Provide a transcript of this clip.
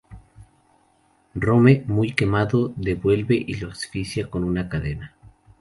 Rome muy quemado devuelve y lo asfixia con una cadena.